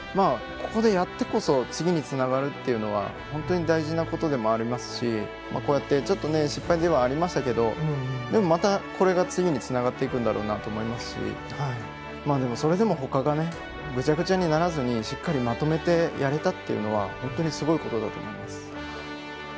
ここでやってこそ次につながるというのは本当に大事なことでもありますしちょっと失敗ではありましたけれどもまたこれが次につながっていくんだろうなと思いますしそれでもほかがぐちゃぐちゃにならずにしっかりまとめてやれたのは本当にすごいことだと思います。